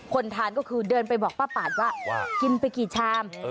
คนทานก็คือเดินไปบอกป้าปาดว่ากินไปกี่ชาม